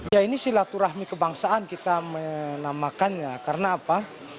ya ini silaturahmi kebangsaan kita menamakannya karena apa